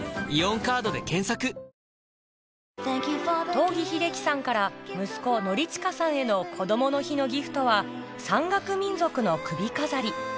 東儀秀樹さんから息子・典親さんへのこどもの日のギフトは山岳民族の首飾り